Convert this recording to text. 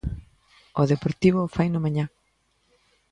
O Deportivo faino mañá.